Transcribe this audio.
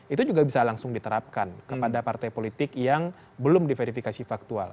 itu juga bisa langsung diterapkan kepada partai politik yang belum diverifikasi faktual